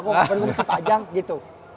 kok gak perlu dipajang gitu